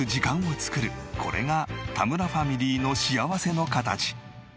これが田村ファミリーの幸せの形。